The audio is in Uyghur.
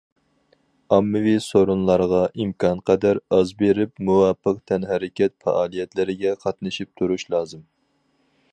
ئاممىۋى سورۇنلارغا ئىمكانقەدەر ئاز بېرىپ، مۇۋاپىق تەنھەرىكەت پائالىيەتلىرىگە قاتنىشىپ تۇرۇش لازىم.